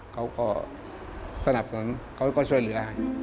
เขาก็สนับสนุนเขาก็ช่วยเหลือ